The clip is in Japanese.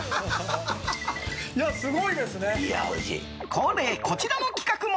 恒例、こちらの企画も。